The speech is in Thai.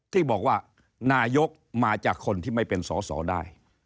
ที่บอกว่านายกมาจากคนที่ไม่เป็นสอสอได้